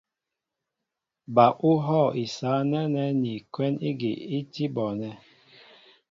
Ba ú hɔ̂ isǎ nɛ́nɛ́ ni kwɛ́n ígi í bíí bɔɔnɛ́.